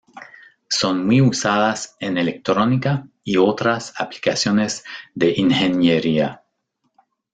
Son muy usadas en electrónica y otras aplicaciones de ingeniería.